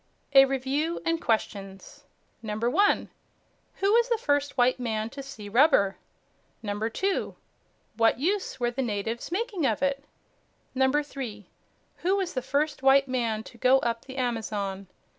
A REVIEW AND QUESTIONS 1. Who was the first white man to see rubber? 2 What use were the natives making of it? 3. Who was the first white man to go up the Amazon?